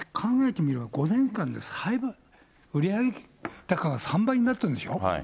考えてみれば５年間で売上高が３倍になってるんでしょ。